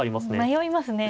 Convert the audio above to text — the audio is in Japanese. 迷いますね。